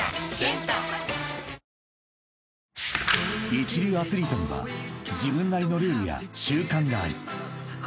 ［一流アスリートには自分なりのルールや習慣がある］